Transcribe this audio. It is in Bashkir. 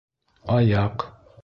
Аяҡ